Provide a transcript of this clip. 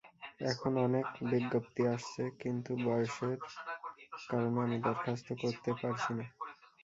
এখন অনেক বিজ্ঞপ্তি আসছে কিন্তু বয়সের কারণে আমি দরখাস্ত করতে পারছি না।